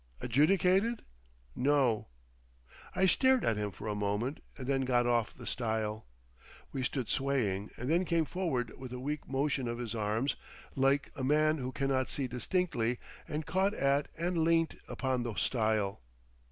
"Adjudicated?" "No!" I stared at him for a moment, and then got off the stile. We stood swaying and then came forward with a weak motion of his arms like a man who cannot see distinctly, and caught at and leant upon the stile.